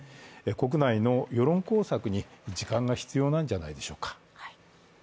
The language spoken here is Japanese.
国内の世論工作に時間が必要なんじゃないでしょうか。